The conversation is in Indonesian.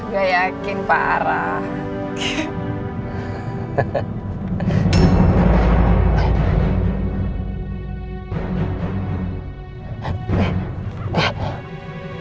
gak yakin parah